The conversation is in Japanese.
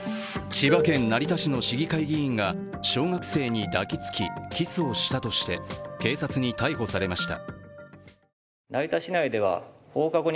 千葉県成田市の市議会議員が小学生に抱きつきキスをしたとして警察に逮捕されました。